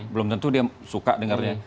belum tentu dia suka dengarnya